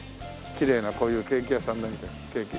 きれいなこういうケーキ屋さんなんかケーキ。